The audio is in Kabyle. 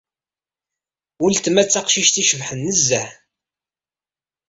Uletma d taqcict icebḥen nezzeh.